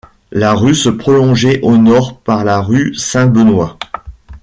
La rue se prolongeait au nord par la rue Saint-Benoît.